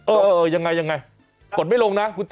อ๋ออย่างไรอย่างไงว่าไม่ลงไหมครับ